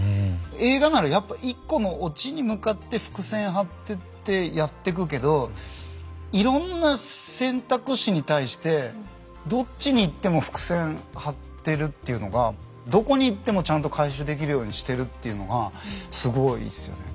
映画ならやっぱ一個のオチに向かって伏線張ってってやってくけどいろんな選択肢に対してどっちに行っても伏線張ってるっていうのがどこに行ってもちゃんと回収できるようにしてるっていうのがすごいっすよね。